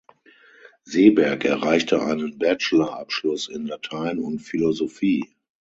Seeberg erreichte einen Bachelor-Abschluss in Latein und Philosophie.